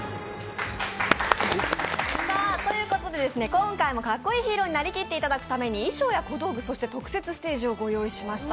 今回もかっこいいヒーローになりきっていただくために衣装や小道具、そして特設ステージをご用意しました。